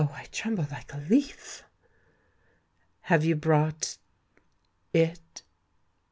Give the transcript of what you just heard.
I tremble like a leaf." "Have you brought—it?"